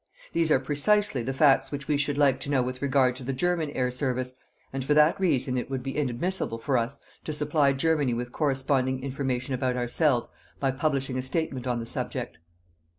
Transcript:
These are precisely the facts which we should like to know with regard to the German air service, and for that reason it would be inadmissible for us to supply Germany with corresponding information about ourselves by publishing a statement on the subject.